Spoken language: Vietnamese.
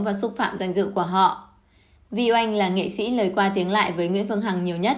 và xúc phạm danh dự của họ vi oanh là nghệ sĩ lời qua tiếng lại với nguyễn phương hằng nhiều nhất